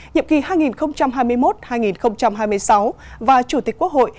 nhiệm kỳ hai nghìn hai mươi một hai nghìn hai mươi sáu và chủ tịch quốc hội